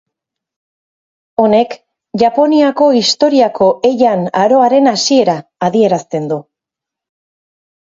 Honek, Japoniako historiako Heian aroaren hasiera adierazten du.